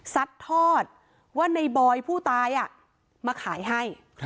ทอดว่าในบอยผู้ตายมาขายให้